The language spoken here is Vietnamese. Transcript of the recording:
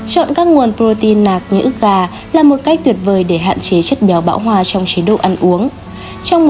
chọn các nguồn protein nạc nhưỡ gà là một cách tuyệt vời để hạn chế chất béo bão hòa trong chế độ ăn uống